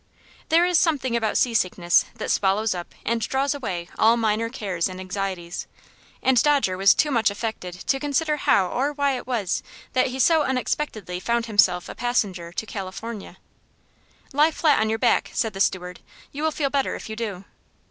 There is something about seasickness that swallows up and draws away all minor cares and anxieties, and Dodger was too much affected to consider how or why it was that he so unexpectedly found himself a passenger to California. "Lie flat on your back," said the steward. "You will feel better if you do."